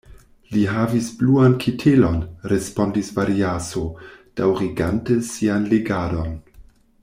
Li havis bluan kitelon, respondis Variaso, daŭrigante sian legadon.